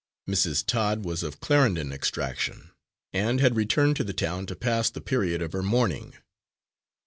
Mrs. Todd was of Clarendon extraction, and had returned to the town to pass the period of her mourning.